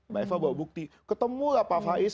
mbak eva bawa bukti ketemu lah pak faiz